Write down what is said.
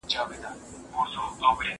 که جارو وي نو کثافات نه راټولیږي.